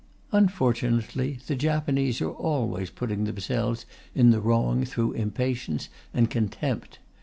Unfortunately, the Japanese are always putting themselves in the wrong through impatience and contempt.